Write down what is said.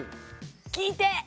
聞いて！